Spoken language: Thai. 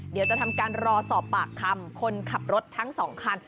เดี๋ยวจะทำการรอสอบปากคำคนขับรถทั้ง๒คัน